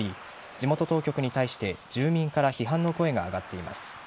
地元当局に対して、住民から批判の声が上がっています。